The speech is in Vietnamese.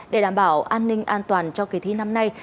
để đảm bảo an ninh an toàn cho kỳ thi năm nay